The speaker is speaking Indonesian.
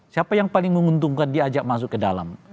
siapa yang paling menguntungkan diajak masuk ke dalam